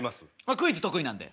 クイズ得意なんで。